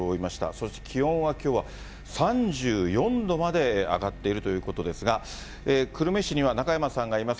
そして気温はきょうは３４度まで上がっているということですが、久留米市には中山さんがいます。